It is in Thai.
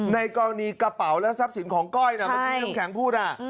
ในกรณีกระเป๋าและทรัพย์สินของก้อยนะมันเป็นเรื่องแข็งพูดนะ